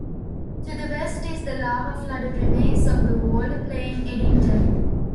To the west is the lava-flooded remains of the walled plain Eddington.